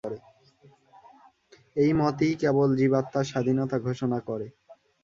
এই মতই কেবল জীবাত্মার স্বাধীনতা ঘোষণা করে।